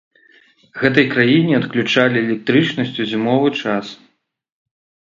Гэтай краіне адключалі электрычнасць у зімовы час.